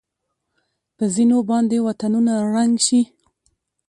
په ځېنو باندې وطنونه ړنګ شي.